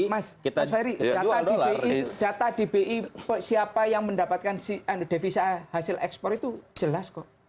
mas ferry data dbi siapa yang mendapatkan devisa hasil ekspor itu jelas kok